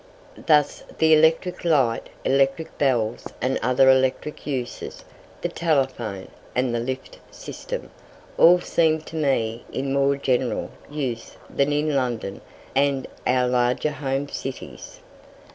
Thus the electric light, electric bells, and other electric uses, the telephone, and the lift system, all seem to me in more general use than in London and our larger Home cities.